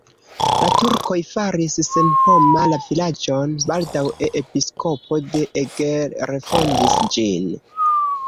La turkoj faris senhoma la vilaĝon, baldaŭe episkopo de Eger refondis ĝin.